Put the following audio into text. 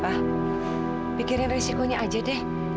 ah pikirin risikonya aja deh